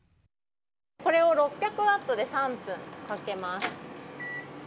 これを６００ワットで３分かけます。